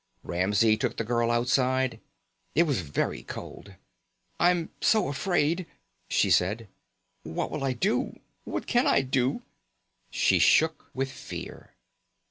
Ramsey took the girl outside. It was very cold. "I'm so afraid," she said. "What will I do? What can I do?" She shook with fear.